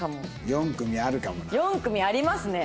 ４組ありますね。